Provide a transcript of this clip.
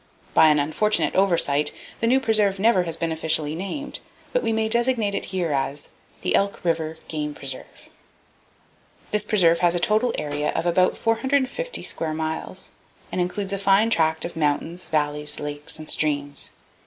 By an unfortunate oversight, the new preserve never has been officially named, but we may designate it here as The Elk River Game Preserve.—This preserve has a total area of about 450 square miles, and includes a fine tract of mountains, valleys, lakes and streams.